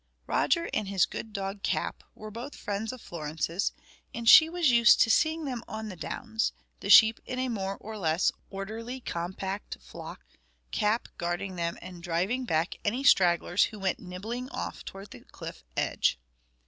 Roger and his good dog Cap were both friends of Florence's, and she was used to seeing them on the downs, the sheep in a more or less orderly compact flock, Cap guarding them and driving back any stragglers who went nibbling off toward the cliff edge.